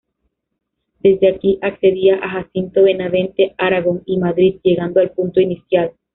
Desde aquí, accedía a Jacinto Benavente, Aragón y Madrid llegando al punto inicial.